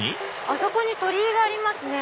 あそこに鳥居がありますね。